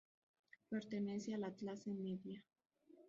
Pertenece a la clase media.